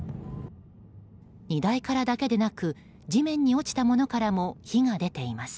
荷台からだけでなく地面に落ちたものからも火が出ています。